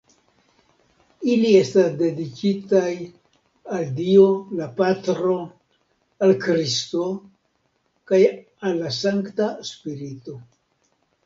Ili estas dediĉitaj al Dio, la patro, al Kristo kaj al la Sankta Spirito.